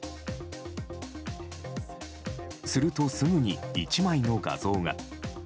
すると、すぐに１枚の画像が。